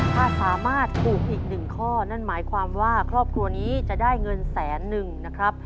ถ้าสามารถถูกอีกหนึ่งข้อนั่นหมายความว่าครอบครัวนี้จะได้เงินแสนหนึ่งนะครับ